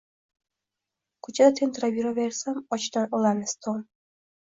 Ko`chada tentirab yuraversam, ochdan o`lamiz, Tom